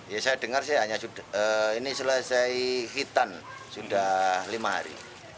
ya saya dengar ini selesai hitam sudah lima hari